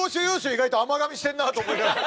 意外と甘がみしてるなと思いながら。